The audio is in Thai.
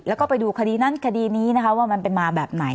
แล้วก็ไปดูคดีนั้นคดีนี้นะคะว่ามันเป็นมาแบบไหน